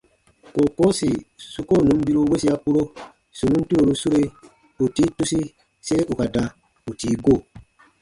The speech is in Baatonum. Kookoo sì su koo nùn biru wesia kpuro, sù nùn turoru sure, ù tii tusi sere ù ka da ù tii go.